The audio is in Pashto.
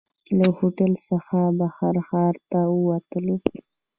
له هوټل څخه بهر ښار ته ووتلو.